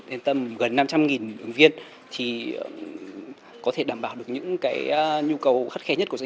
để tăng trải nghiệm ủng viên là điều mà các doanh nghiệp việt nam không thể bỏ qua